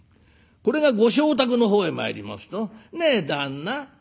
これがご妾宅の方へ参りますと「ねえ旦那」。